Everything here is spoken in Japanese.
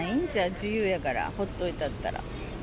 自由やから、ほっといたったら。